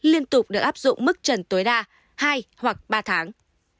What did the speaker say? liên tục được áp dụng mức trần tối đa hai hoặc ba tháng